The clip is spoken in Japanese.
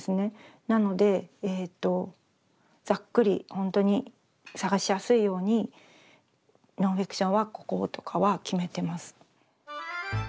なのでえとざっくりほんとに探しやすいように「ノンフィクションはここ」とかは決めてます。